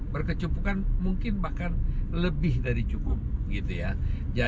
berkecupukan mungkin bahkan lebih dari cukup gitu ya